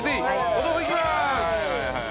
お豆腐いきまーす！